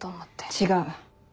違う。